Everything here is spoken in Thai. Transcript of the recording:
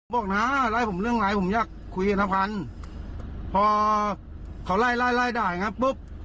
น้าไล่ผมเรื่องอะไรผมอยากคุยกับนพันธุ์พอเขาไล่ไล่ไล่ด่าอย่างนั้นปุ๊บ